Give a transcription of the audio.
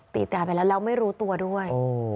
ตีตายไปแล้วเราไม่รู้ตัวด้วย